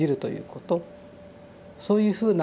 そういうふうな